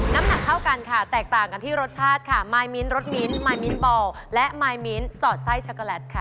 น้ำหนักเท่ากันค่ะแตกต่างกันที่รสชาติค่ะมายมิ้นรสมิ้นมายมิ้นบอลและมายมิ้นสอดไส้ช็อกโกแลตค่ะ